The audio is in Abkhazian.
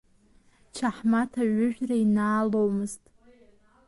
Чаҳмаҭ аҩыжәра инааломызт.